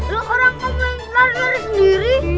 loh orang kok mending lari lari sendiri